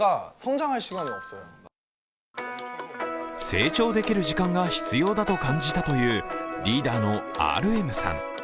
成長できる時間が必要だと感じたというリーダーのＲＭさん。